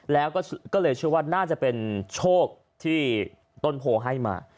แล้วก็คิดว่าน่าจะเป็นโชคที่ต้นโพลให้มา